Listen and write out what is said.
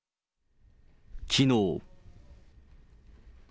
きのう。